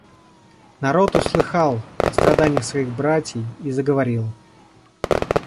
Народ услыхал о страданиях своих братий и заговорил.